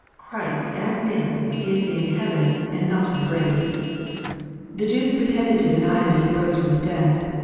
Christ, as Man, is in heaven, and not 244 KNOTS UNTIED. in the grave. The Jews pretended to deny that He rose from the dead.